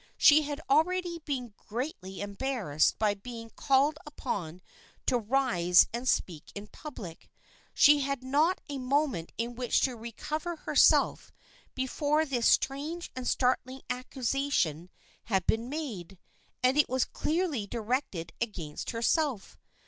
She had already been greatly embarrassed by being called upon to rise and speak in public. She had not had a moment in which to recover herself be fore this strange and startling accusation had been made, and it was clearly directed against herself.